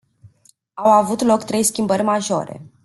Au avut loc trei schimbări majore.